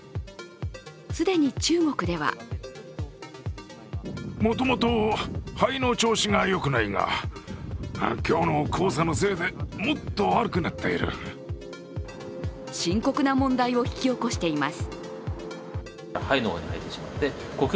既に、中国では深刻な問題を引き起こしています。